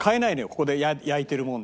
ここで焼いてるもので。